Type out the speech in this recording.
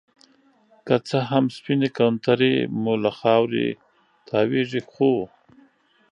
که څه هم سپينې کونترې مو له خاورې تاويږي ،خو